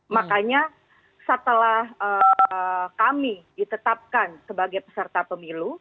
makanya setelah kami ditetapkan sebagai peserta pemilu